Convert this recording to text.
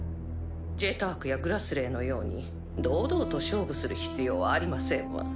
「ジェターク」や「グラスレー」のように堂々と勝負する必要はありませんわ。